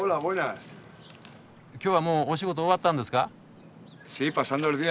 きょうはもうお仕事終わったんですか？